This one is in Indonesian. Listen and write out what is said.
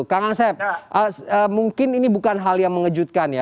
kang asep mungkin ini bukan hal yang mengejutkan ya